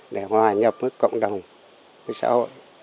để hòa nhập với cộng đồng với xã hội